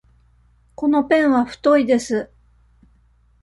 このペンは太いです。